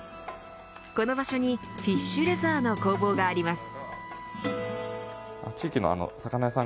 この場所にフィッシュレザーの工房があります。